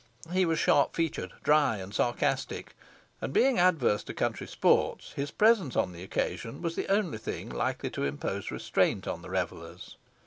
He was sharp featured, dry, and sarcastic, and being adverse to country sports, his presence on the occasion was the only thing likely to impose restraint on the revellers.